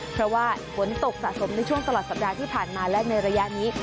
เพราะว่าฝนตกสะสมในช่วงตลอดสัปดาห์ที่ผ่านมาและในระยะนี้